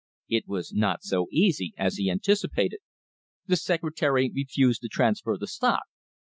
It was not so easy as he anticipated. The secretary refused to transfer the stock.